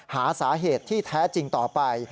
หาสาเหตุที่แท้จริงต่อไป